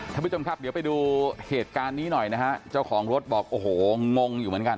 ท่านผู้ชมครับเดี๋ยวไปดูเหตุการณ์นี้หน่อยนะฮะเจ้าของรถบอกโอ้โหงงอยู่เหมือนกัน